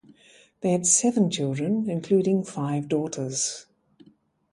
They had seven children, including five daughters.